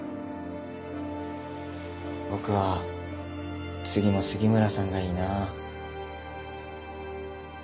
僕は次も杉村さんがいいなあ。